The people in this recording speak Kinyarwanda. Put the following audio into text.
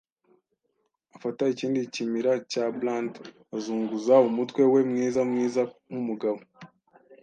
Afata ikindi kimira cya brandi, azunguza umutwe we mwiza mwiza nkumugabo